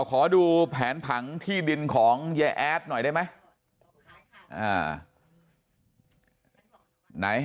ขอดูแผนผังที่ดินของยายแอดหน่อยได้ไหม